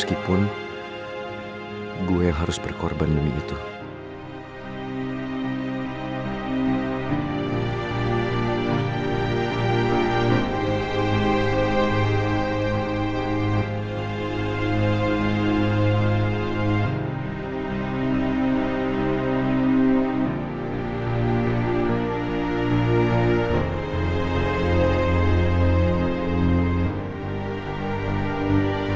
kalo lo sampai nanggung ini semua sendirian